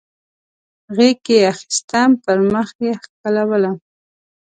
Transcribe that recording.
غیږ کې اخیستم پر مخ یې ښکلولم